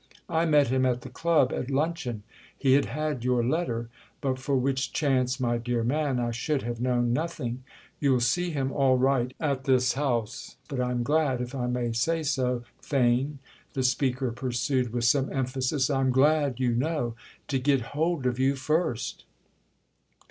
"I met him at the club at luncheon; he had had your letter—but for which chance, my dear man, I should have known nothing. You'll see him all right at this house; but I'm glad, if I may say so, Theign," the speaker pursued with some emphasis—"I'm glad, you know, to get hold of you first."